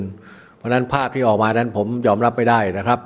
เพราะฉะนั้นภาพที่ออกมานั้นผมยอมรับไม่ได้นะครับ